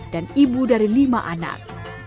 dan ibu dari lima anak